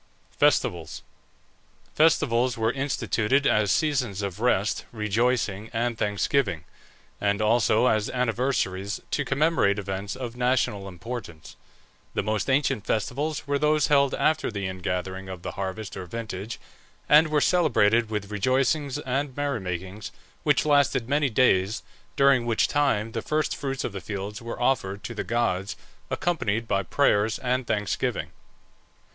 FESTIVALS. Festivals were instituted as seasons of rest, rejoicing, and thanksgiving, and also as anniversaries to commemorate events of national importance. The most ancient festivals were those held after the ingathering of the harvest or vintage, and were celebrated with rejoicings and merry makings, which lasted many days, during which time the first fruits of the fields were offered to the gods, accompanied by prayers and thanksgiving.